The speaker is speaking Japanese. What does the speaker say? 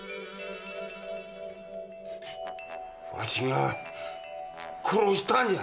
ワシが殺したんじゃ。